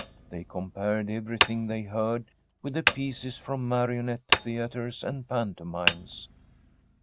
They compared everything they heard with the pieces from marionette theatres and pan tomimes.